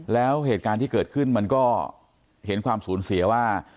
แล้วเหตุการณ์ที่เกิดขึ้นมันก็เห็นความสูญเสียว่า